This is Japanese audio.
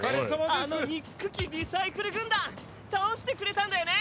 あの憎っくきリサイクル軍団倒してくれたんだよね。